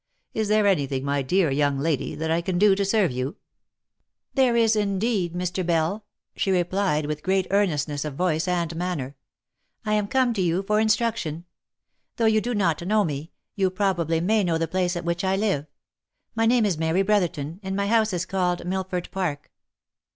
Is there any thing, my dear young lady, that I can do to serve you ?"" There is indeed, Mr. Bell !" she replied, with great earnestness of voice and manner. " I am come to you for instruction. Though you do not know me, you probably may know the place at which I live. My name is Mary Brotherton, and my house is called Millford Park."